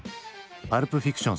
「パルプ・フィクション」